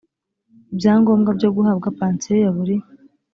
ibyangombwa byo guhabwa pansiyo ya buri